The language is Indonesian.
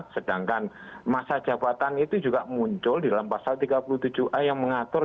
sedangkan masa jabatan itu juga muncul di dalam pasal tiga puluh tujuh a yang mengatur tentang masa jabatan di dalam masa jabatan